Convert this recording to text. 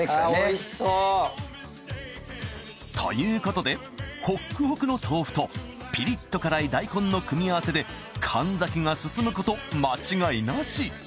わっおいしそう！ということでホックホクの豆腐とピリッと辛い大根の組み合わせで燗酒が進むこと間違いなし！